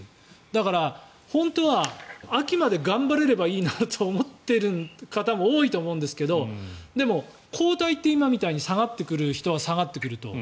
だから、本当は秋まで頑張れればいいなと思ってる方も多いと思うんですけどでも、抗体って今みたいに下がってくる人は下がってくると。